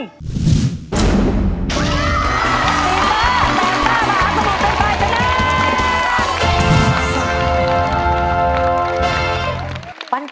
ทีมตาตาปาสมุทรตังใจชนะ